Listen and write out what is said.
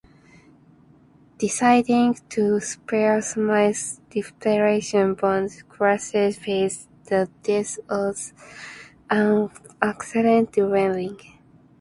Deciding to spare Smythe's reputation, Bond classifies the death as an accidental drowning.